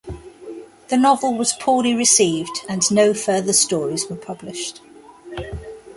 The novel was poorly received, and no further stories were published.